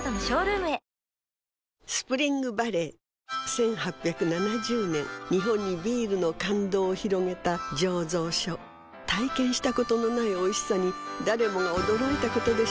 １８７０年日本にビールの感動を広げた醸造所体験したことのないおいしさに誰もが驚いたことでしょう